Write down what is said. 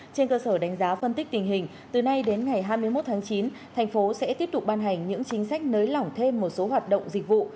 trên cơ sở đánh giá phân tích tình hình từ nay đến ngày hai mươi một tháng chín thành phố sẽ tiếp tục ban hành những chính sách nới lỏng thêm một số hoạt động dịch vụ